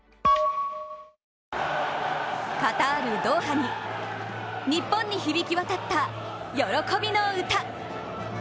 カタール・ドーハに日本に響き渡った「喜びの歌」。